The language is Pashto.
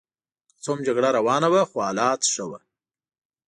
که څه هم جګړه روانه وه خو حالات ښه وو.